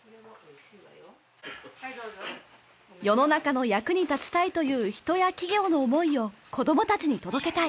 世の中の役に立ちたいという人や企業の思いを子どもたちに届けたい。